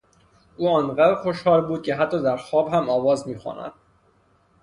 او آنقدر خوشحال بود که حتی درخواب هم آواز میخواند.